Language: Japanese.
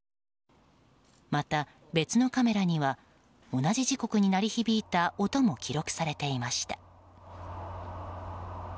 また、別のカメラには同じ時刻に鳴り響いた音も記録されていました。